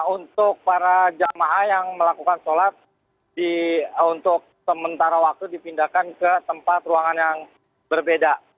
untuk para jamaah yang melakukan sholat untuk sementara waktu dipindahkan ke tempat ruangan yang berbeda